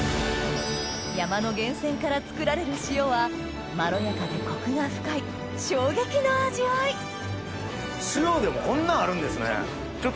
山の源泉から作られる塩はまろやかでコクが深い衝撃の味わい塩でもこんなんあるんですね！